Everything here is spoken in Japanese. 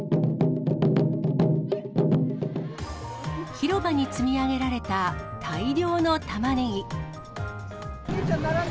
広場に積み上げられた大量のたまねぎ。